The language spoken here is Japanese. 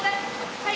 はい。